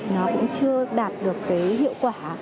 nó cũng chưa đạt được cái hiệu quả